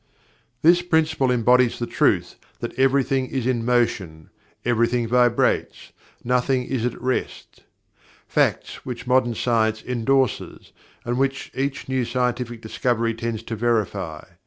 This Principle embodies the truth that "everything is in motion"; "everything vibrates"; "nothing is at rest"; facts which Modern Science endorses, and which each new scientific discovery tends to verify.